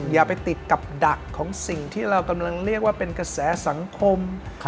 อย่าไปติดกับดักของสิ่งที่เรากำลังเรียกว่าเป็นกระแสสังคม